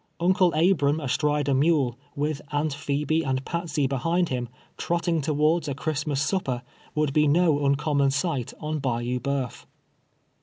Uncle Al)i'aui astride a mule, with Aunt riiebe and Patsey behind him, trotting towards a Christmas supper, would be no uncommon sight on Bayou Bo^uf.